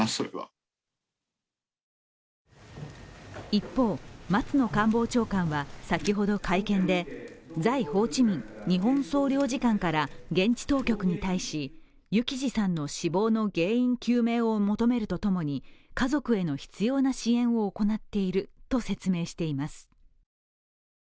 一方、松野官房長官は先ほど会見で在ホーチミン日本総領事館から現地当局に対し幸士さんの死亡の原因究明を求めるとともに家族への必要な支援を行っていると説明しています。